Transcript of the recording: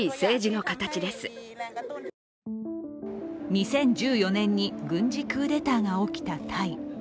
２０１４年に軍事クーデターが起きたタイ。